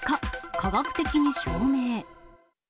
科学的に証明。